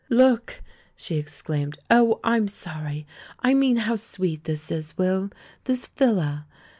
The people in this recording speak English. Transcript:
"Look!" she exclaimed. "Oh! I'm sorry. ... I mean how sweet this is, Will, this villa.